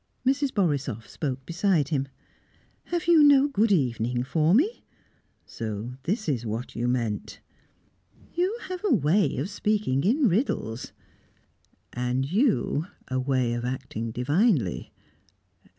Mrs. Borisoff spoke beside him. "Have you no good evening for me?" "So this is what you meant?" "You have a way of speaking in riddles." "And you a way of acting divinely.